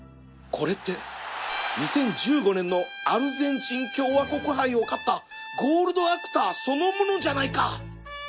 これって２０１５年のアルゼンチン共和国杯を勝ったゴールドアクターそのものじゃないか